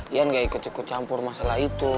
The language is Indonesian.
iyan gak ikut ikut campur masalah itu